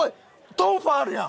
トンファーあるやん！